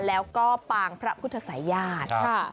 แล้วก็ปางพระพุทธศัยญาติ